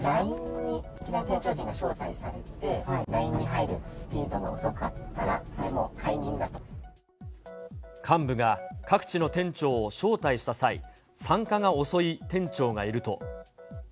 ＬＩＮＥに店長陣が招待されて、ＬＩＮＥに入るスピードが遅幹部が各地の店長を招待した際、参加が遅い店長がいると。